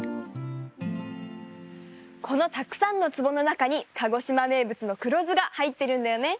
このたくさんの壺のなかに鹿児島めいぶつの黒酢がはいってるんだよね。